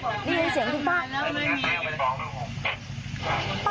เดี๋ยวเดี๋ยวเสียงที่ป้า